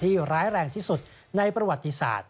ร้ายแรงที่สุดในประวัติศาสตร์